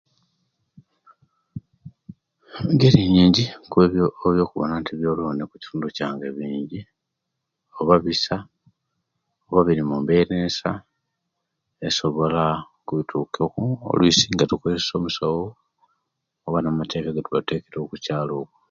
Engeri nyingi ebyo ebyo kubona nti ebyolooni okukitundu kyange bingi oba bisa oba biri mumbeera ensa esobola okubitukaku olwisi nga tukozesya omusyo oba namateeka agakwataku okukyalo okwo.